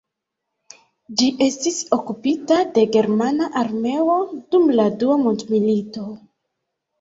Ĝi estis okupita de Germana armeo dum la Dua mondmilito.